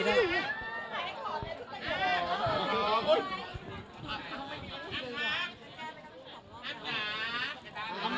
ไม่ไย